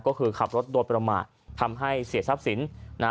ก็คือขับรถโดยประมาททำให้เสียทรัพย์สิน